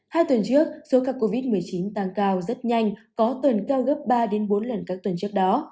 hai tuần trước số ca covid một mươi chín tăng cao rất nhanh có tuần cao gấp ba bốn lần các tuần trước đó